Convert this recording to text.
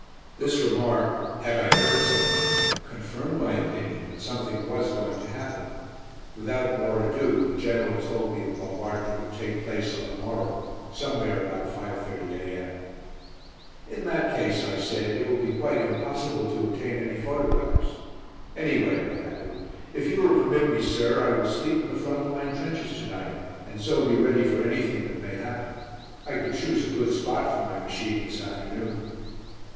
This remark, "Had I heard something?" confirmed my opinion that something was going to happen. Without more ado, the General told me the bombardment would take place on the morrow, somewhere about 5.30 a.m. "In that case," I said, "it will be quite impossible to obtain any photographs. Anyway," I added, "if you will permit me, sir, I will sleep in the front line trenches to night, and so be ready for anything that may happen. I could choose a good spot for my machine this afternoon."